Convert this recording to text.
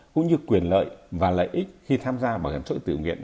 cũng như quyền lợi và lợi ích khi tham gia bảo hiểm xã hội tự nguyện